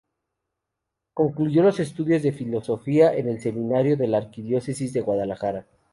Concluyó los estudios de Filosofía en el Seminario de la Arquidiócesis de Guadalajara.